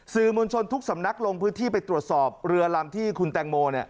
สื่อมวลชนทุกสำนักลงพื้นที่ไปตรวจสอบเรือลำที่คุณแตงโม